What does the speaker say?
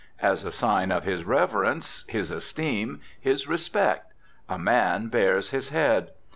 As a sign of his reverence, his esteem, his respect, a man bares his head.